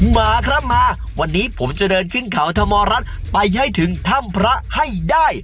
มาครับมาวันนี้ผมจะเดินขึ้นเขาธรรมรัฐไปให้ถึงถ้ำพระให้ได้